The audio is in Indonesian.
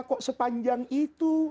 kok sepanjang itu